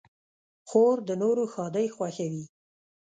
خور د نورو ښادۍ خوښوي.